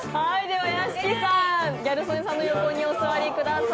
屋敷さん、ギャル曽根さんの横にお座りください。